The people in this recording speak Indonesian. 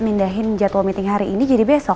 mindahin jadwal meeting hari ini jadi besok